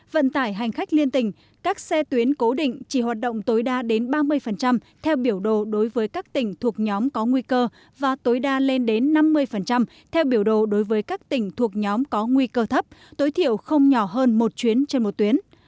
vận tải hành khách liên tỉnh các xe tuyến cố định chỉ hoạt động tối đa đến ba mươi theo biểu đồ đối với các tỉnh thuộc nhóm có nguy cơ và tối đa lên đến năm mươi theo biểu đồ đối với các tỉnh thuộc nhóm có nguy cơ thấp tối thiểu không nhỏ hơn một chuyến trên một tuyến